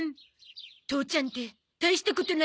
父ちゃんって大したことないんだね。